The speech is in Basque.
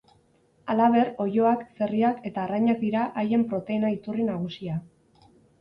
Halaber, oiloak, zerriak eta arrainak dira haien proteina-iturri nagusia.